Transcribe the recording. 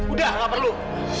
udah gak perlu